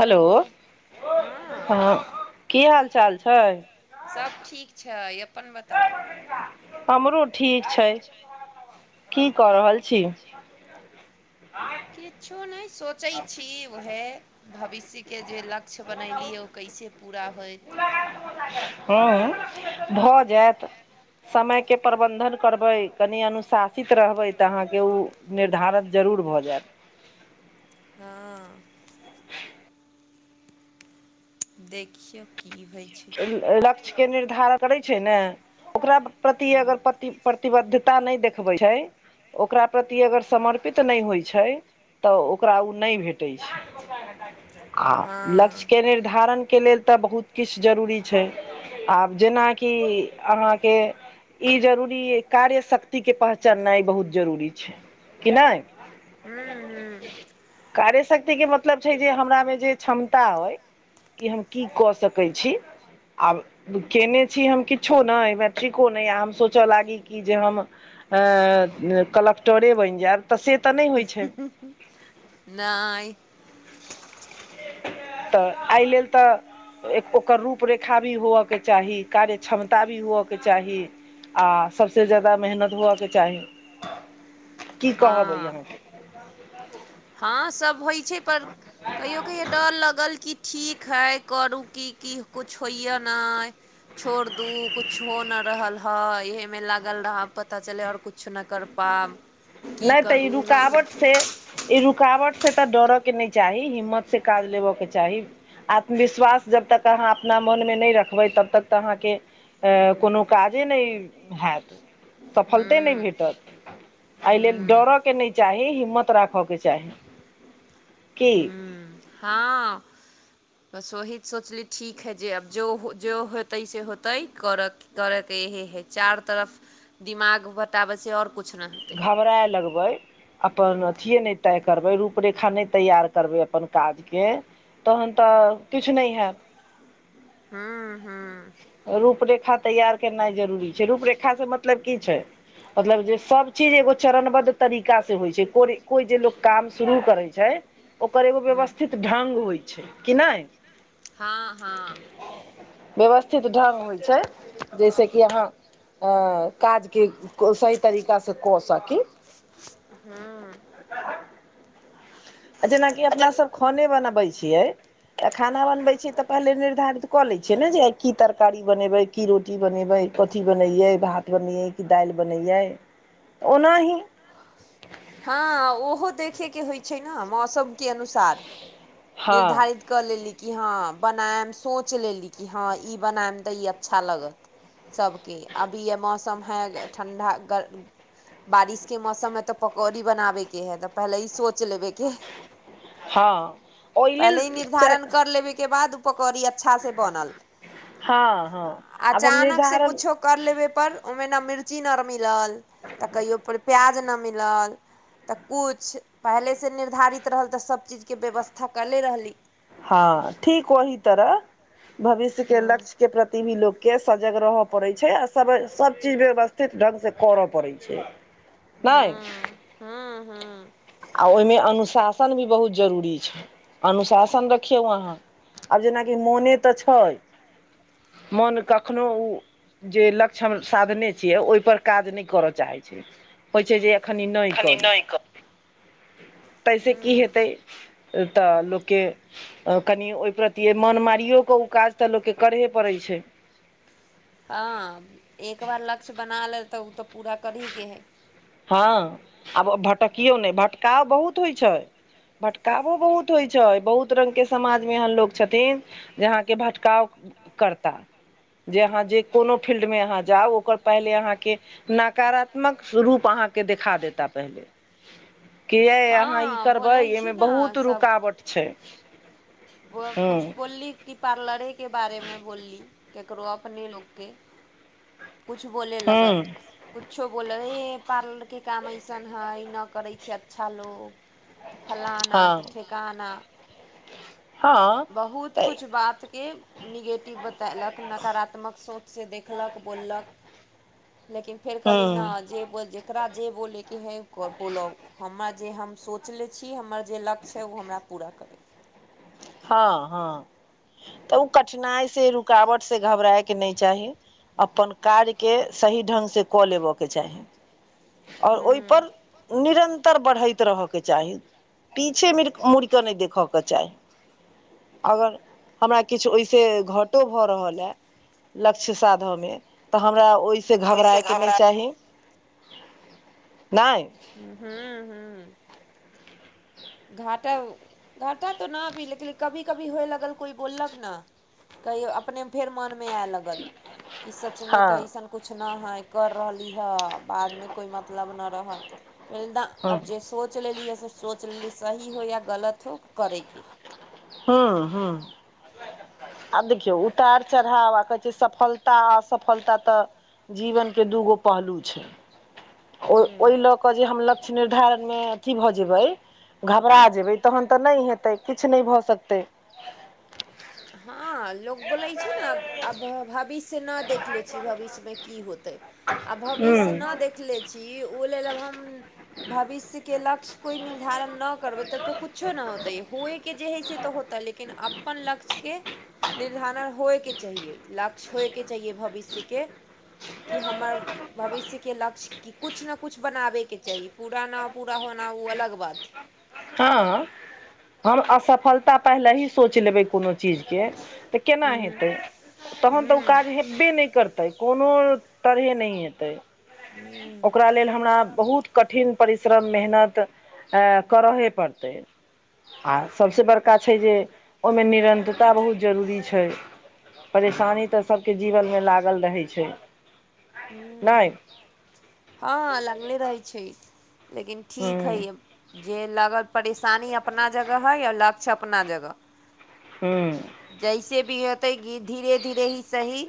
Hello हँ की हाल चाल छैय? सब ठीक छैय अपन बताउ। हमरो ठीक छैय की कऽ रहल छी? किछु नहि सोचै छी उएह भविष्य के जे लक्ष्य बनेलियै ओ कैसे पूरा होइत। ह भऽ जायत समयके प्रबन्धन करबै कनि अनुशासित रहबै तऽ अहाँके ओ निर्धारित जरूर भऽ जायत। हँ देखियौ की होइ छैय। लक्ष्य के निर्धार करै छैयय ने ओकरा प्रति अगर प्रतिबद्ध नहि देखबै छै ओकरा प्रति अगर समर्पित नहि होइ छै तऽ ओकरा ओ नहि भेटैत छै आ लक्ष्य हँ के निर्धारण के लेल तऽ बहुत किछु किछ जरूरी छै आब जेनाकि अहाँके ई जरूरी अ कार्य शक्तिके पहचाननाइ बहुत जरूरी छै कि नहि हू ह कार्य शक्तिक के मतलब छै जे हमरा मे जे क्षमता अइ कि हम की कऽ सकैत छी आब कयने छी हम किछो नहि मै ठीको नहि आ हम सोचय लागी कि जे हम अ कल स्टोरीे बनि जायत त से तऽ नहि होइ छै नहि तऽ एहि लेल तऽ ओकर रूपरेखा भी होअके चाही कार्य क्षमता भी होअके चाही आ सभसे ज्यादा मेहनत हअके चाही की कहबै हँ ह हँ सब होइ छै पर कहियो कहियो डर लागल कि ठीक हइ करू की की किछु होइए नहि छोड़ दू कुछ हो न रहल हे इहे में लागल रह पता चल और कुछ छनकाकर्पा नहि तऽ ई रुकावट से ई रुकावट से तऽ डरय के नहि चाही हिम्मत से काज लेबय के चाही आत्मविश्वास जब तक अहाँ अपना मनमे नहि रखबै तब तक तऽ अहाँके कोनो काजे नहि हैत सफलते नहि हूँ भेटत एहि लेल हूँ डरऽ के नहि चाही हिम्मत राखऽ के चाही कि हूँ हँ बस ओोहित सोचली ठीक हइ जे आब जो जो होतै से होतै करऽ करयके इएहे हइ चारू तरफ दिमाग बटाबै छै आओर किछु नहि हइ घबराए लगबै अपन अथिए नहि तय करबै रूपरेखा नहि तैयार करबै अपन काजके तहन तऽ किछु नहि होत हँ हँ रूपरेखा तैयार केनाइ जरूरी छै रूपरेखासँ मतलब की छै मतलब जे सब चीज एगो चरणबद्ध तरीका से होइ छै को कोइ जे लोकोग काम शुरू करै छै ओकर एगो हूँ व्यवस्थित ढ्ग होइ छै कि नहि हँ हँ व्यवस्थित ढ्ंग होइ छै जैसेकि अहाँ काजके सही तरीकासँ कऽ सकी हँ जेनाकि अच्छा अपना सभ खाने बनबै छियै तऽ खाना बनबे छै तऽ पहिले निर्धारित कऽ ले छै ने जे की तरकारी बनेबै की रोटी बनेबै कथी बनैयै भात बनैयै कि दालि बनैयै ओनाही हँ ओहो देखय के होइत छै ने मौसम के अनुसार हँ निर्धारित क कऽ लेली कि हँ बनायम सोचि लेली कि हँ ई बनायम दऽ ई अच्छा लागत सभके अभी य मौसम है ठण्डा बारिश के मौसम मे तऽ पकौड़ी बनाबे के है तऽ पहले ई सोच लेबे हँ ओहि लेल पलहि निर्धारण कर लेब बाद पकौड़ी अच्छा से बनल हँ हँ आब हम अचानक से निर्धारण कछो कर लेबे पर ओहि मे ने मिर्ची नहि मिलल तऽ कहियो पर प्याज नहि मिलल तऽ किछु पहिले से निर्धारित रहल तऽ सभ चीज के व्यवस्था कयले रहली हँ ठीक ओही तरह भविष्य के हूँ लक्ष्य के प्रति भी लोक के सजग रहय पड़े छै आ सब सब चीज व्यवस्थित ढंग से करऽ पड़ै छै नहि हुँ हुँ आ ओहि मे अनुशासन भी बहुत जरूरी छै अनुशासन रखियौ अहाँ आब जेनाकि मोने तऽ छै मन कखनो ओ जे लक्षण हम साधने छियै ओहि पर काज नहि करय चाहैत छै होइ छै जे खनि नहि करी तैसे की हूँ हेतै तऽ लोक के कनि ओहि प्रति मन मारिओ कऽ उऽ काज तऽ लोक के करहे पड़ैत छै हँ एक बार लक्ष्य बना लेल तऽ ओ तऽ पूरा करही के हइ हँ आब भटकियो नहि भटकाव बहुत होइ छै भटकावो बहुत होइ छै बहुत रंग के समाज मे एहन लोक छथिन जे आहाँके भटकाव करता जे अहाँ जे कोनो फील्ड मे आहाँ जाउ ओकर पहिले अहाँ के नकारात्मक रूप उचहाँ के देखा देता पहिले कि ये आहाँ ई हँ करबै बोलै छी एहिमे न बहुत रुकावट छै वह किछु हूँ बोलली कि पार्लरे के बारेमे बोलली ककरो अपने लोक के कछु बोलय लगत हूँ किछो बोलै हे पार्लर के काम अइसन हइ ई नाऽ करै छै अच्छा लोग तऽ फलाना तऽ हँ ठेकाना हँ बहुत तऽ कछु बात के निगेटिव बतेलक नकारात्मक सोच से देखलक बोललक लेकिन फेर कहली न हूँ जे बोल जकरा जे बोलयके हइ बोलौ हमर जे हम सोचले छी हमर जे लक्ष हइ ओ हमरा पूरा करै हँ हँ तऽ उऽ कठिनाइ से रुकावट से घबराए के नहि चाही अपन कार्य के सही ढ़ग से कऽ लेबयके चाही आओर हूँ ओहिपर निरन्तर बढ़ैत रहयके चाही पीछे मिर मुड़िकऽ नहि देखय के चाही अगर हमरा किछु ओहि से घटो भऽ रहलए लक्ष्य साधय मे तऽ हमरा ओहि से घबराय के नहि चाही नहि हूँ हूँ घाटा घाटा तऽ नहि अबी लेकिन कभी कभी होय लगल कोइ बोललक न कहियो अपने फेर मोन मे आय लगल कि सचमे तऽ हँ अइसन कछु नहि हइ कर रहली हँ बाद मे कोइ मतलब नैय रहत [unintelligible] हँ आब जे सोच लेली ह से सोचि लेली सही हो या गलत हो करयके ह्म हँ आब देखियौ उतार चढ़ाव आ कहै छै सफलता आ असफलता तऽ जीवन के दूगो पहलू छै ओ हूँ ओहि लऽ केऽ जे हम लक्ष्य निर्धारणमे अथी भऽ जेबै घबरा जेबै तखन तऽ नहि हेतै किछु नहि भऽ सकतै हँ लोग बोलै छै न आ भाविष्य न ना देखले छी भविष्य मे की होतै आ हँ भविष्य न देखले छी ओ लेल अब हम भविषके लक्ष्य कोई निधारन नऽ करबै तब तऽ कुछ कुछो न होतै होइके जे हइ से तऽ होतै लेकिन अपन लक्ष्य के निर्धारण होइके चाहिए लक्ष्य होइके चाहिए भविष्यके कि हमर भविष्यके लक्ष्य क किछु ने किछु बनाबयके चाही पूरा नहि पूरा होना ओ अलग बात हइ हँ हम असफलता पहिले ही सोच लेबै कोनो चीज केना हूँ हेतै तहन तऽ ओ हूँ काज हेबे नहि करतै कोनो तरहे नइ हेतै ओकरा लेल हमरा बहुत कठिन परिश्रम मेहनत अ करहे पड़तै आ सभसँ बड़का छै जे ओहिमे निरन्तरता बहुत जरूरी छै परेशानी तऽ सभके जीवनमे लागल रहै छै नाय हँ लगले रहै छै लेकिन हूँ ठीक हइ जे लागल परेशानी अपना जगह हइ आ लक्ष्य अपना जगह हूँ जैसे भी होतै कि धीरे धीरे ही सही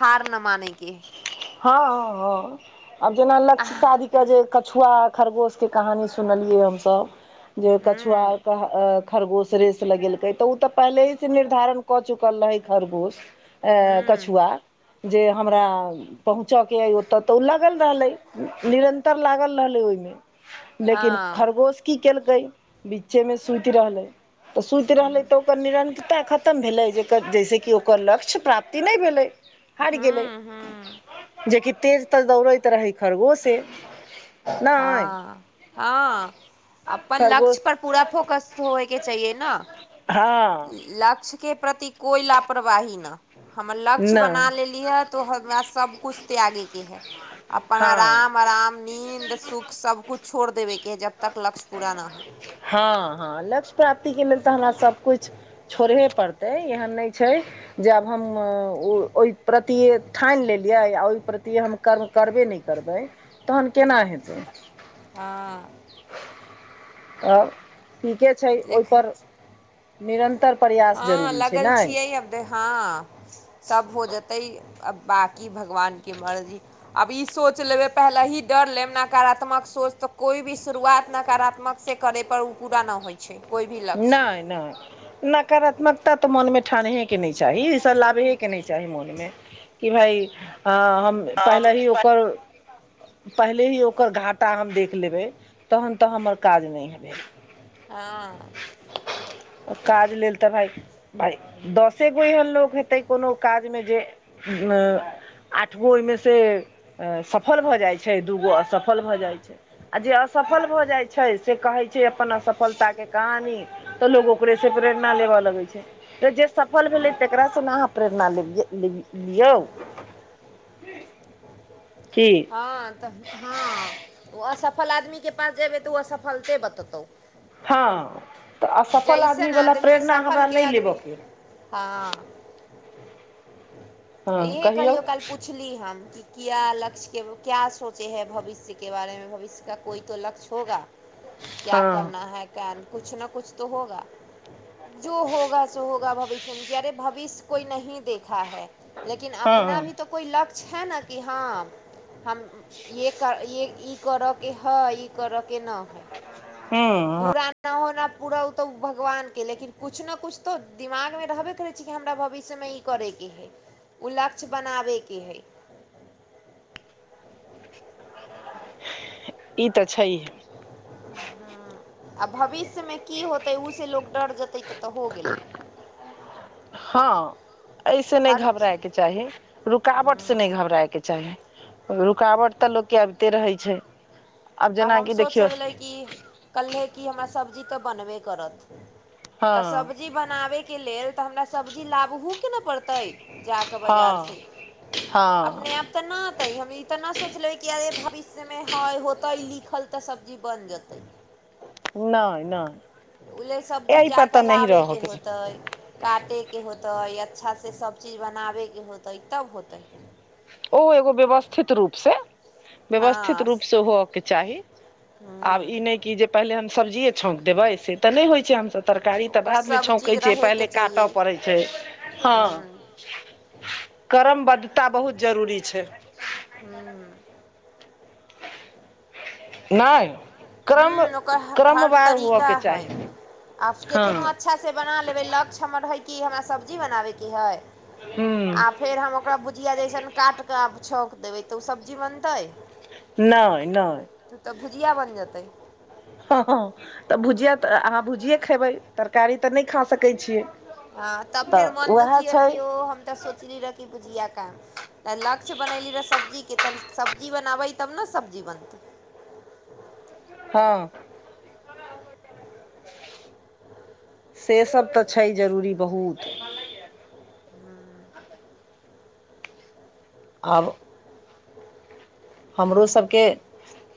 हार न मानैके हइ हँ हँ हँ आब जेना लक्ष्य शाधी के जे कछुआ आ खरगोश के कहानी सुनलियै हमसभ जे हम्म कछुआरके खरगोश रेस लगेलकै तऽ ओ तऽ पहिलेसँ निर्धारण कऽ चुकल रहै खरगोश ऐ हम्म कछुआ जे हमरा पहुँचके अइ ओतऽ तऽ ओ लागल रहलै निरन्तर लागल रहलै ओहिमे लेकिन हँ खरगोश की केलकै बीच्चे मे सुति रहलै तऽ सुति रहलै तऽ ओकर निरंतरता खतम भेलै जेकर जैसे कि ओकर लक्ष्य प्राप्ति नहि भेलै हारि गेलै हम्म हम्म जेकि तेज तऽ दौड़ैत रहै खरगोसे हँ हँ अपन लक्ष्य खरगोश पर पूरा फोकस होयके चाहिए न हँ लक्ष्यके प्रति कोइ लापरवाही न हम लक्ष्य बना नहि लेली ह तो हमरा सबकुछ त्यागेके हइ अपन हँ आराम आराम नींद सुख सबकुछु छोड़ देबैके हइ जबतक लक्ष्य पूरा न होई हँ हँ लक्ष्य प्राप्तिक के लेल तऽ हमरा सबकुछ छोड़हे पड़तै एहन नहि छै जे आब हम ओहि प्रति ठानि लेलियै आ ओहि प्रति हम कर्म करबे नहि करबै तहन केना हँ तब ठीके छै देखै ओहिपर छी, निरन्तर प्रयास जरूरी छै नैय हँ सब हो जेतै अब बाकी भगवानके मर्जी आब ई सोच लेबै पहिले ही डर लेब नकारात्मक सोच तऽ कोइ भी शुरुआत नकारात्मक से करै पर ओ पूरा नहि होइ छै कोइ भी लक्ष्य नाई नकारात्मकता तऽ मोनमे ठनहेके नहि चाही ई सब लाबहेके नहि चाही मोनमे कि भाय हम पहिले ही ओकर पहिले ही ओकर घाटा हम देख लेबै तहन तऽ हमर काज नहि हेतै हँ काज लेलल तऽ भाई दसे गो एहन लोक हेतै कोनो काजमे जे आठ गो ओहिमे से सफल भऽ जाइत छै दूगो असफल भऽ जाइ छै आ जे असफल भऽ जाइत छै से कहै छै अपन असफलता के कहानी तऽ लोग ओकरेसँ प्रेरणा लेबऽ लगै छै तऽ जे सफल भेलै तकरासँ ने अहाँ प्रेरणा लेलयै लियौ की हँ तऽ हँ ओ असफल आदमीके पास जेबै तऽ उऽ असफलते बतेतहु हँ तऽ असफल जैसन आदमीवला आदमी प्रेरणा हमरा सफलके नहि आदमी लेबऽके अ हँ इह कहियौ कल पूछि पुछली हम कि किया लक्ष के क्या सोचे है भविष्यके बारेमे भविष्य का कोइो लक्ष्य होगा क्या हँ करना है क्या कुछ न कुछ तो होगा जो होगा सो होगा भविष्यमे अरे भविष्य कोइ नहीं देखा है लेकिन अपना हँ भी तऽ कोइ लक्ष्य हइ ने कि हँ हम ये कर य ई करयके हइ करऽ के न है हँ पूरा न होना पूरा ओ तऽ भगवानके लेकिन किछु ने किछु तऽ दिमागमे रहबे करै छै कि हमरा भविष्यमे ई करैके हइ ओ लक्ष्य बनाबैके हइ ई तऽ छै यै आ भविष्य मे की होतै ओ से लोग डर जेतै तऽ तऽ हो गेलै हँ ऐसे नहि हर घबरै ह कि चाही रुकावट से नहि घबरायके चाही रुकावट तऽ लोकके अबिते रहै छै आब हम जेनाकि सोचि देखियौ लेबै कि कहलहे कि हमरा सब्जी तऽ बनबे करत तऽ हँ सब्जी बनाबैके लेल तऽ हमरा सब्जी लकबौ ने पड़ते बाजार हँ से हँ अपने आप तऽ नहि आता ह हम तऽ नहि सोचलेबै कि अरे भविष्यमे है होतै लिखल तऽ सब्जी बनि जेतै नहि नहि ओहि लेल सब्जी जा एहिपर कऽ तऽ नहि लाबयके रहऽके छै होतै काटेके होतै अच्छासँ सब चीज बनाबैके होतै तब होतै ओ एगो व्यवस्थित रूप से हँ व्यवस्थित रूप से होयके चाही आब ह्म्म ई नहि कि जे पहिले सब्जिए छौंक देबै से तऽ नहि होइ छै हमस तरकारी तऽ ओकर बाद मे छौंकै सभचीज छ पहिले रहयके काटय चाहियै पड़े छै छै हँ ह्म्म करमबद्धता बहुत जरूरी छै ह्म नहि क्रम ह्म्म ओकर हर क्रमवार तरीका हुअके चाही हइ आ हँ कतनो अच्छासँ बना लेबै लक्ष्य हमर हइ कि हमरा सब्जी बनाबयके हइ हू आ फेर हम ओकरा भुजििया जइसन काटिकऽ आब छौक देबै तऽ ओ सब्जी बनतै नहि न तऽ ओ तऽ भुजिया बनि जेतै हँ हँ तऽ भुजिया तऽ अहाँ भुजिए खेबै तरकारी तऽ नहि खा सकैत छियै हँ तऽ फेर मोन उएह दुखी गेल छै कि ओ हम तऽ सोचली रहए कि बुझआ काम तऽ लक्ष्य बनयली रहए सब्जीके तऽ सब्जी बनाबै तब ने सब्जी बनतै हँ [inaudible] से सब तऽ छै जरूरी बहुत आब हमरो सबके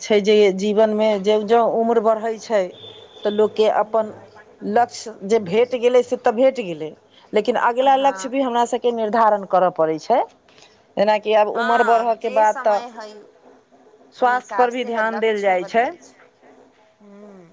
छै जे जीवनमे जँ ज्यँ उम्र बढ़ै छै तऽ लोकके अपन हम्म, लक्ष्य जे भेट गेलै से तऽ भेट गेलै लेकिन अगिला लक्ष्य भी हँ हमरा सभके निर्धारण करय पड़ै छै जेनाकि आब उमर बढ़ऽके बाद तऽ भइ स्वास्थ्य पर भी ध्यान देल जाइ छै हूँ